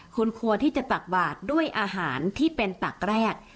คุณควรที่จะตักบาทด้วยอาหารที่เป็นตักแรก